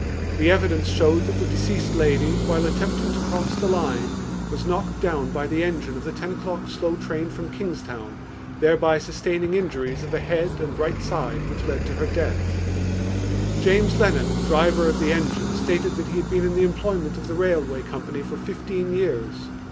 The evidence showed that the deceased lady, while attempting to cross the line, was knocked down by the engine of the ten o'clock slow train from Kingstown, thereby sustaining injuries of the head and right side which led to her death. James Lennon, driver of the engine, stated that he had been in the employment of the railway company for fifteen years.